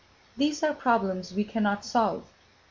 These are problems we cannot solve.